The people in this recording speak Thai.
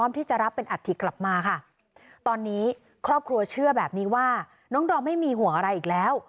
มาค่ะตอนนี้ครอบครัวเชื่อแบบนี้ว่าน้องดอมไม่มีห่วงอะไรอีกแล้ว